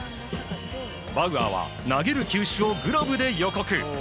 バウアーは投げる球種をグラブで予告。